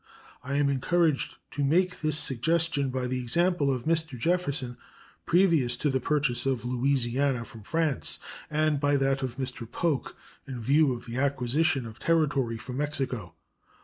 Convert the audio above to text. I am encouraged to make this suggestion by the example of Mr. Jefferson previous to the purchase of Louisiana from France and by that of Mr. Polk in view of the acquisition of territory from Mexico.